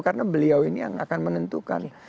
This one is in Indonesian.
karena beliau ini yang akan menentukan